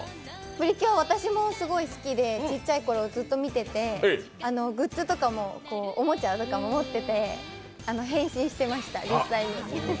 プリキュア、私もすごい好きでちっちゃいころもすごく見ててグッズとかもおもちゃとかも持ってて、変身してました、実際に。